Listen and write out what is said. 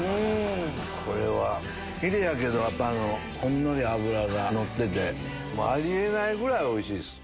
これはヒレやけどほんのり脂がのっててあり得ないぐらいおいしいです。